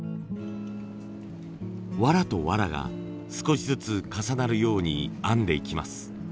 わらとわらが少しずつ重なるように編んでいきます。